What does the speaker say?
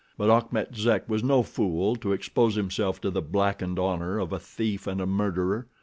But Achmet Zek was no fool to expose himself to the blackened honor of a thief and a murderer.